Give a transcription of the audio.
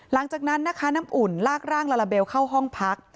หลังจากนั้นนะคะน้ำอุ่นลากร่างลาลาเบลเข้าห้องพัก